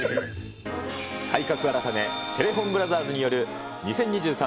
体格改め、テレフォンブラザーズによる２０２３